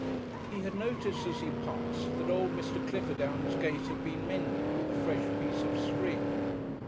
He had noted as he passed that old Mr. Cliffordown's gate had been mended with a fresh piece of string.